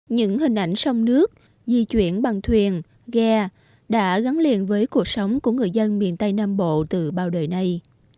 những hình ảnh sông nước di chuyển bằng thuyền ghe đã gắn liền với cuộc sống của người dân miền tây nam bộ từ bao đời nay